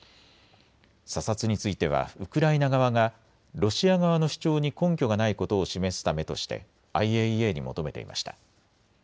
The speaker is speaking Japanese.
査察についてはウクライナ側がロシア側の主張に根拠がないことを示すためとしてＩＡＥＡに求めていました。